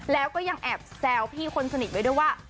แล้วก็ยังแอบแซวพี่คนสนิทไว้ด้วยว่า